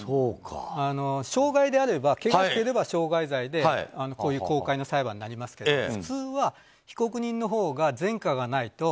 傷害であればけがをしていれば傷害罪でこういう公開の裁判になりますが普通は被告人のほうが前科がないと。